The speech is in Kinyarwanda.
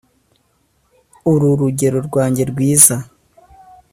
ur'urugero rwanjye rwiza